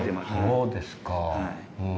そうですか。